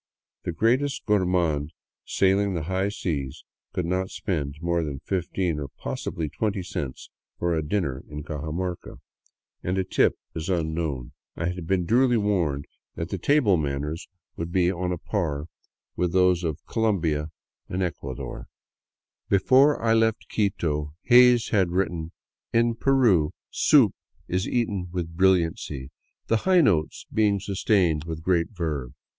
The greatest gourmand sailing the high seas could not spend more than fifteen, or possibly twenty cents, for a dinner in Cajamarca — and a "tip" is unknown. I had been duly warned that the table manners would be on a par 264 APPROACHING INCA LAND with those of Colombia and Ecuador. Before I left Quito, Hays had written, " In Peru soup is eaten with brilliancy, the high notes being sustained with great verve."